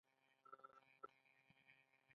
د وړیو څخه جامې او ټغر جوړیدل